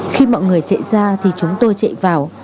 khi mọi người chạy ra thì chúng tôi chạy vào